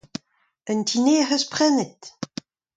Un ti nevez 'c'h eus prenet ?